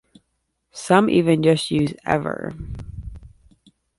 Some even just use ...Ever!